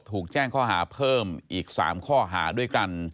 ถูกแจ้งข้อหาเพิ่มอีก๓ข้อหาด้วยกัน